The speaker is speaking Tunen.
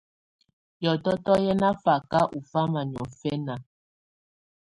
Hiɔtɔtɔ hɛ̀ nà faka ù fama niɔ̀fɛna.